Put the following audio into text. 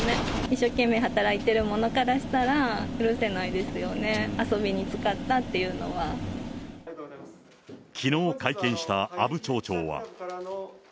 一生懸命働いている者からしたら、許せないですよね、遊びに使ったきのう会見した阿武町長は。